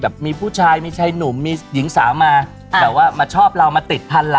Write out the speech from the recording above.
พวกมีผู้ชายมีใช้หนุ่มมีหญิงสามาโตว่ามาชอบเรามาติดทันละ